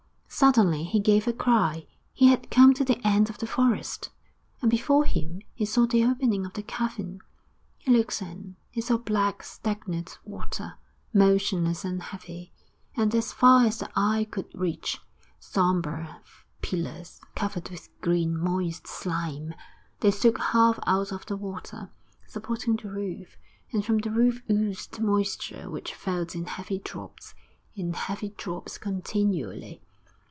Suddenly he gave a cry; he had come to the end of the forest, and before him he saw the opening of the cavern. He looked in; he saw black, stagnant water, motionless and heavy, and, as far as the eye could reach, sombre pillars, covered with green, moist slime; they stood half out of the water, supporting the roof, and from the roof oozed moisture which fell in heavy drops, in heavy drops continually.